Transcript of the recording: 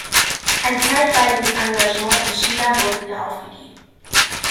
Ein zeitweiliges Engagement in China wurde wieder aufgegeben.